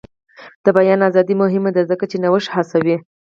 د بیان ازادي مهمه ده ځکه چې نوښت هڅوي.